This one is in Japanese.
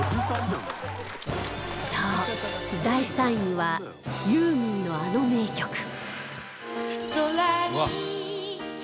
そう、第３位はユーミンの、あの名曲